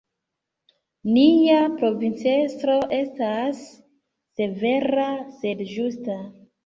Nia provincestro estas severa, sed justa.